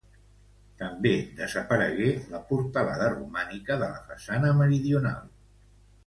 També desaparegué la portalada romànica de la façana meridional.